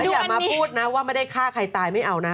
อย่ามาพูดนะว่าไม่ได้ฆ่าใครตายไม่เอานะ